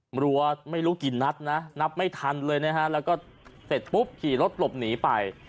รัวไม่รู้กี่นัดนะนับไม่ทันเลยนะฮะแล้วก็เสร็จปุ๊บขี่รถหลบหนีไป